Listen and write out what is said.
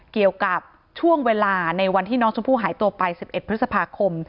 เกี่ยวกับช่วงเวลาในวันที่น้องชมพู่หายตัวไป๑๑พฤษภาคม